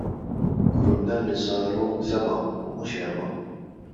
Kurunelli saru sebgħa u mhux erbgħa.